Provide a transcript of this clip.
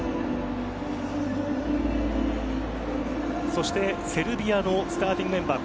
そしてセルビアのスターティングメンバー。